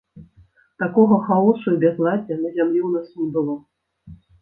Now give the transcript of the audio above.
Такога хаосу і бязладдзя на зямлі ў нас не было!